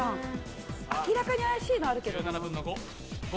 明らかに怪しいのあるけどな。